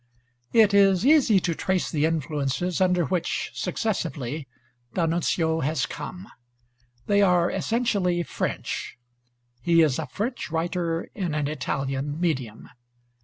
It is easy to trace the influences under which, successively, D'Annunzio has come. They are essentially French. He is a French writer in an Italian medium.